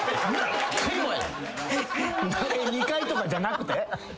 ２回とかじゃなくて？えっ？